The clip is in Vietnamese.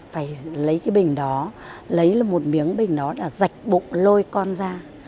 phải lấy cái bình đó lấy một miếng bình đó đã rạch bụng lôi con ra